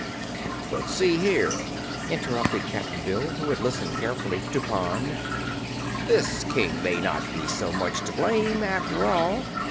"But, see here," interrupted Cap'n Bill, who had listened carefully to Pon. "This King may not be so much to blame, after all.